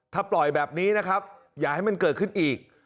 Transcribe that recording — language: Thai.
ถ้าปล่อยแบบนี้นะครับอย่าให้มันเกิดขึ้นอีก